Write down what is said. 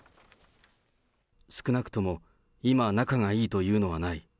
少なくとも今、仲がいいというのはない。